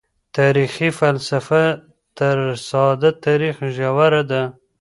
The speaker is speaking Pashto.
تاريخي فلسفه تر ساده تاريخ ژوره ده.